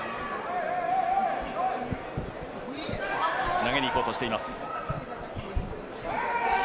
投げに行こうとしています。